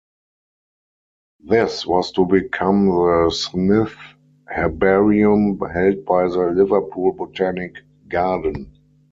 This was to become the Smith Herbarium held by the Liverpool Botanic Garden.